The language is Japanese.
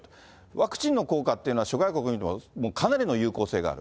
ワクチンの効果っていうのは、諸外国にもかなりの有効性がある。